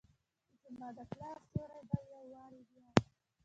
زماد پلار سیوری به ، یو وارې بیا،